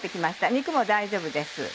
肉も大丈夫です。